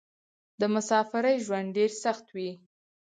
د مسافرۍ ژوند ډېر سخت وې.